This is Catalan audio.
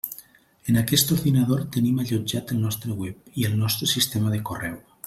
En aquest ordinador tenim allotjat el nostre web i el nostre sistema de correu.